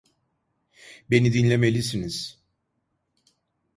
Beni dinlemelisiniz.